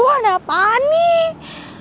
wah ada apaan nih